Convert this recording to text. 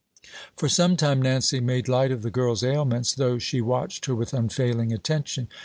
For some time Nancy made light of the girl's ailments, though she watched her with unfailing attention.